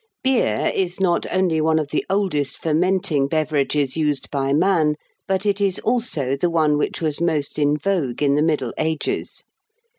Beer is not only one of the oldest fermenting beverages used by man, but it is also the one which was most in vogue in the Middle Ages.